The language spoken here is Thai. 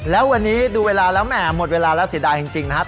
แล้ววันนี้ดูเวลาแล้วแหมหมดเวลาแล้วเสียดายจริงนะครับ